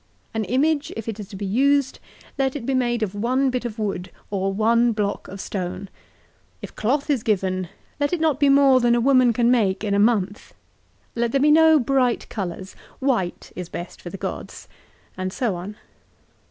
An image if it is to be used, let it be made of one bit of wood, or one block of stone. If cloth is given, let it not be more than a woman can make in a month. Let there be no bright colours. White is best for the gods ; and so on.